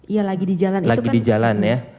iya lagi di jalan lagi di jalan ya